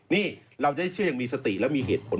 นี่เราจะได้เชื่ออย่างมีสติแล้วมีเหตุผล